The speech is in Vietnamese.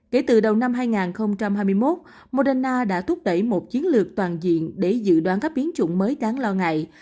kể từ đầu năm hai nghìn hai mươi một moderna đã thúc đẩy một chiến lược toàn diện để dự đoán các biến chủng mới đáng lo ngại